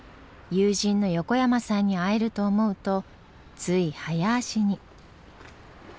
友人の横山さんに会えると思うとつい早足に。